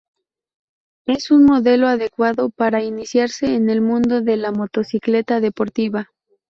Es un modelo adecuado para iniciarse en el mundo de la motocicleta deportiva.